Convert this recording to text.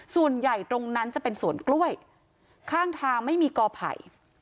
ส่วนใหญ่ตรงนั้นจะเป็นสวนกล้วยข้างทางไม่มีกอไผ่